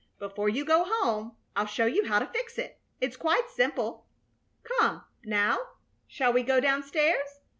Before you go home I'll show you how to fix it. It's quite simple. Come, now, shall we go down stairs?